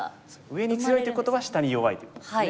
上に強いということは下に弱いということですね。